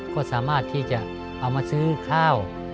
ก็สามารถที่จะเอามาซื้อข้าว